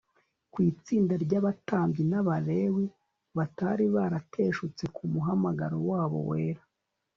kw'itsinda ry'abatambyi n'abalewi batari barateshutse ku muhamagaro wabo wera